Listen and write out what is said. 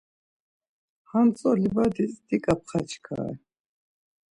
Hantzo livadis diǩa pxaçkare.